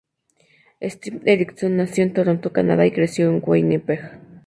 Steven Erikson nació en Toronto, Canadá, y creció en Winnipeg.